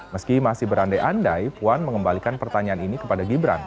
meski masih berandai andai puan mengembalikan pertanyaan ini kepada gibran